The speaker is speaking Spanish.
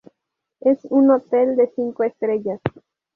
Es un hotel de cinco estrellas.